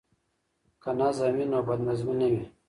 که نظم وي نو بد نظمي نه وي.